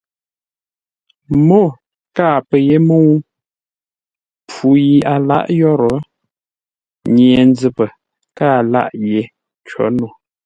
Mô kâa pə́ yé mə́u! Mpfu yi a lǎʼ yórə́, Nye-nzəpə kâa lâʼ yé có no.